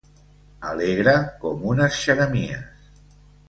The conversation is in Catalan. Alegre com unes xeremies.